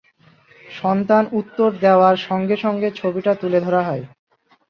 সন্তান উত্তর দেওয়ার সঙ্গে সঙ্গে ছবিটা তুলে ধরা হয়।